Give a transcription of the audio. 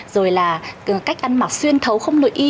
rồi là cách ăn mặc xuyên thấu không nội y